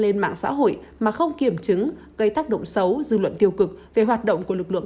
lên mạng xã hội mà không kiểm chứng gây tác động xấu dư luận tiêu cực về hoạt động của lực lượng